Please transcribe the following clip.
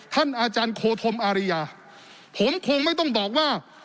ท่านอาจารย์โคธมอาริยาผมคงไม่ต้องบอกว่า